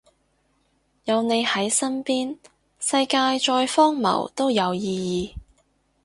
有你喺身邊，世界再荒謬都有意義